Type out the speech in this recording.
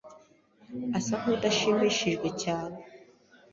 asa nkudashimishijwe cyane.